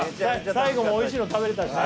最後もおいしいの食べれたしね